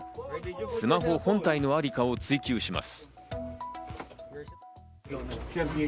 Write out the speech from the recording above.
スマホ本体のありかを追及します。